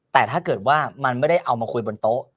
แต่ถ้าเกิดว่ามันไม่ได้เอามาคุยบนโต๊ะ